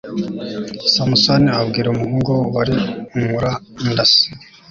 samusoni abwira umuhungu wari umurandase